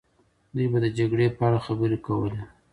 دوی به د جګړې په اړه خبرې کوله.